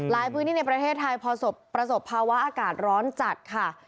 พื้นที่ในประเทศไทยพอประสบภาวะอากาศร้อนจัดค่ะ